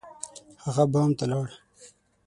هغه بام ته لاړ.